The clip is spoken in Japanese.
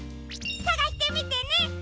さがしてみてね！